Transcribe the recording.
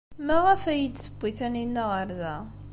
Maɣef ay iyi-d-tewwi Taninna ɣer da?